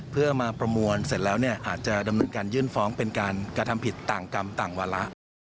เพื่อมาประมวลเสร็จแล้วเนี่ยอาจจะดำเนินการยื่นฟ้องเป็นการกระทำผิดต่างกรรมต่างวาระ